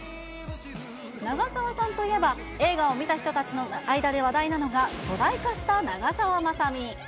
長澤さんと言えば、映画を見た人たちの間で話題なのが、巨大化した長澤まさみ。